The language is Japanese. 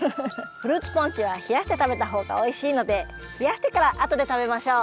フルーツポンチはひやしてたべたほうがおいしいのでひやしてからあとでたべましょう！